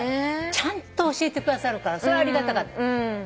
ちゃんと教えてくださるからそれはありがたかった。